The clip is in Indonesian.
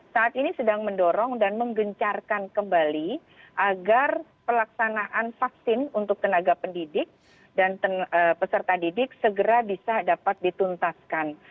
saat ini sedang mendorong dan menggencarkan kembali agar pelaksanaan vaksin untuk tenaga pendidik dan peserta didik segera bisa dapat dituntaskan